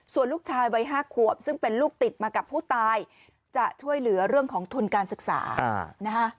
ส่วนลูกชายวัย๕ขวบซึ่งเป็นลูกติดมากับผู้ตายจะช่วยเหลือเรื่องของทุนการศึกษานะฮะ